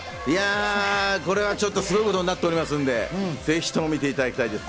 これはすごいことになっておりますので是非とも見ていただきたいですね。